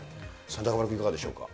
さあ、中丸君、いかがでしょうか。